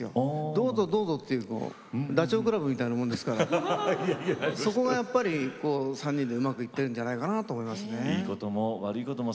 どうぞ、どうぞってダチョウ倶楽部みたいなものですからそこが、３人でうまくいってるんじゃないかなと思いますね。